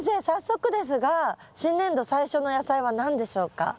早速ですが新年度最初の野菜は何でしょうか？